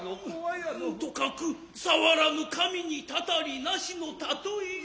兎角さわらぬ神にたたりなしのたとえ。